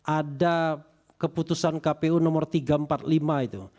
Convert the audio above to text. ada keputusan kpu nomor tiga ratus empat puluh lima itu